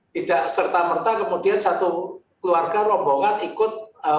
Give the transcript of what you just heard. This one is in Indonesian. tidak serta merta kemudian satu keluarga rombongan ikut